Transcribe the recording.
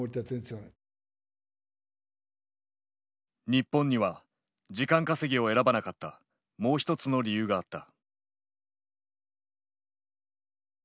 日本には時間稼ぎを選ばなかったもう一つの理由があった。